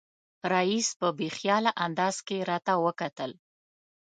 رییس په بې خیاله انداز کې راته وکتل.